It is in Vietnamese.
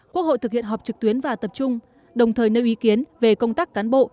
quốc hội thực hiện họp trực tuyến và tập trung đồng thời nêu ý kiến về công tác cán bộ